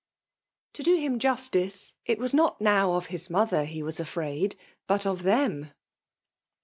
To do him justice, it was not now of his mother he was afraid, but of them.